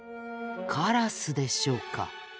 カラスでしょうか？